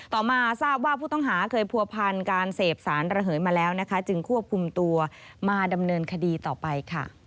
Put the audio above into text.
ต่อมาทราบว่าผู้ต้องหาเคยผัวพันธ์การเสพสารระเหยมาแล้วนะคะจึงควบคุมตัวมาดำเนินคดีต่อไปค่ะ